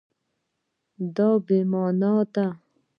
دا بې مانا ده